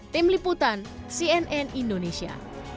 tim liputan cnn indonesia